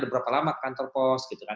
berapa lama kantor pos gitu kan